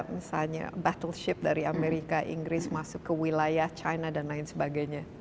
misalnya battleship dari amerika inggris masuk ke wilayah china dan lain sebagainya